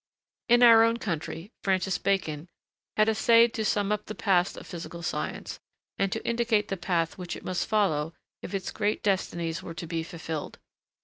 ] In our own country, Francis Bacon, had essayed to sum up the past of physical science, and to indicate the path which it must follow if its great destinies were to be fulfilled.